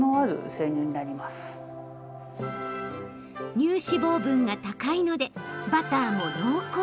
乳脂肪分が高いのでバターも濃厚。